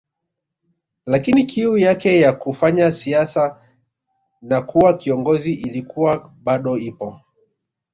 Lakini kiu yake ya kufanya siasa na kuwa kiongozi ilikuwa bado ipo